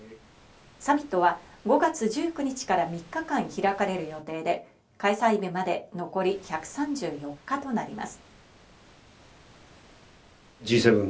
サミットは５月１９日から３日間開かれる予定で、開催日まで残り１３４日となります。